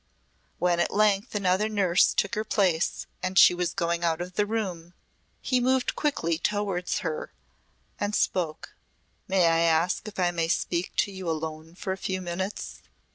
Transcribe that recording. When at length another nurse took her place and she was going out of the room, he moved quickly towards her and spoke. "May I ask if I may speak to you alone for a few minutes?